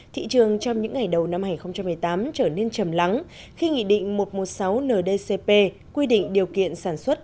thị trường trong những ngày đầu năm hai nghìn một mươi tám trở nên chầm lắng khi nghị định một trăm một mươi sáu ndcp quy định điều kiện sản xuất